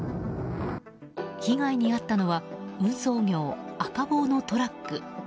被害に遭ったのは運送業、赤帽のトラック。